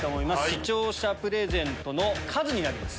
視聴者プレゼントの数になります。